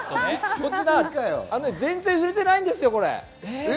こちら全然売れてないんですよ、これ。